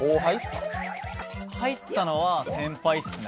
入ったのは先輩っすね。